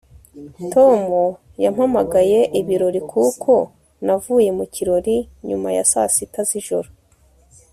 tom yampamagaye ibirori kuko navuye mu kirori nyuma ya saa sita z'ijoro